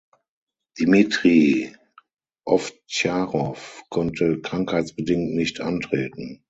Dimitrij Ovtcharov konnte krankheitsbedingt nicht antreten.